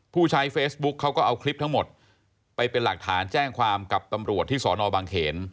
ผู้ใช้เฟซบุ๊กเขาก็เอาคลิปทั้งหมดไปเป็นหลักฐานแจ้งความกับตำรวจที่สอนอบางเขน